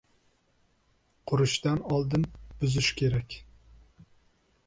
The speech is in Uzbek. • Qurishdan oldin buzish kerak.